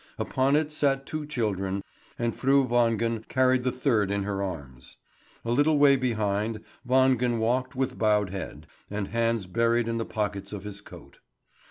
Upon it sat two children, and Fru Wangen carried the third in her arms. A little way behind, Wangen walked with bowed head, and hands buried in the pockets of his coat.